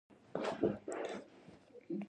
راشد خان وايي، "ښه کرېکټ مو ونه کړ"